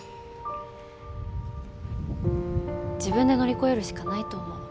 自分で乗り越えるしかないと思う。